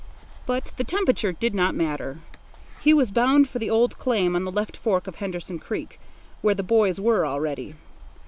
But the temperature did not matter. He was bound for the old claim on the left fork of Henderson Creek, where the boys were already.